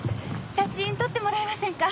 写真撮ってもらえませんか？